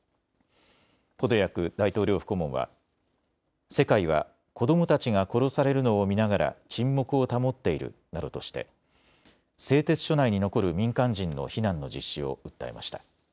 ポドリャク大統領府顧問は、世界は子どもたちが殺されるのを見ながら沈黙を保っているなどとして製鉄所内に残る民間人の避難の実施を訴えました。